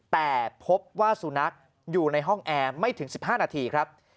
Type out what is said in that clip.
แต่พบว่าสุนัขอยู่ในห้องแอร์ไม่ถึง๑๕นาทีครับ